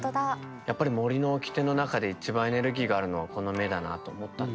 やっぱり「森の掟」の中で一番エネルギーがあるのはこの目だなと思ったんですね。